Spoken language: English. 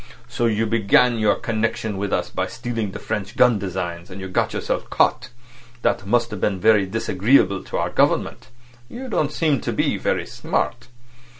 So you began your connection with us by stealing the French gun designs. And you got yourself caught. That must have been very disagreeable to our Government. You don't seem to be very smart."